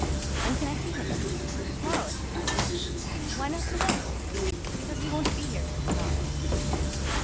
"When can I see him?" "To morrow, if you like." "Why not to day?" "Because he won't be here till to morrow."